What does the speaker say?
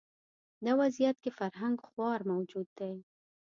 دا وضعیت کې فرهنګ خوار موجود دی